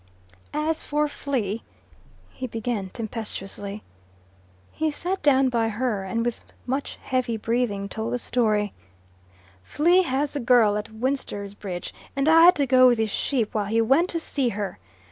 "As for Flea !" he began tempestuously. He sat down by her, and with much heavy breathing told the story, "Flea has a girl at Wintersbridge, and I had to go with his sheep while he went to see her.